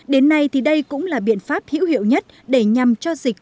đến nay thì đây cũng là biện pháp hữu hiệu nhất để nhằm cho dịch